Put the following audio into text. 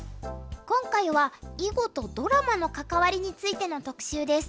今回は囲碁とドラマの関わりについての特集です。